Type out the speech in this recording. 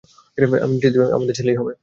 আমি নিশ্চিত, আমাদের ছেলেই হবে।